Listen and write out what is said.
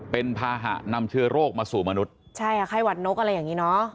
เป็นภาหะนำเชื้อโรคมาสู่มนุษย์ใช่ค่ะไข้หวัดนกอะไรอย่างนี้เนอะ